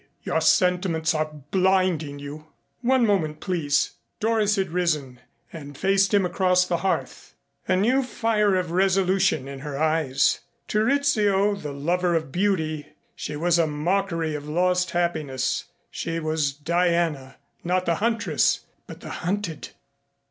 Your sentiments are blinding you." "One moment, please." Doris had risen and faced him across the hearth, a new fire of resolution in her eyes. To Rizzio, the lover of beauty, she was a mockery of lost happiness. She was Diana, not the huntress but the hunted.